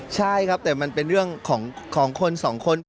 ใช่ครับแต่มันเป็นเรื่องของคนสองคน